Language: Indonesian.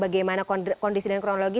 bagaimana kondisi dan kronologi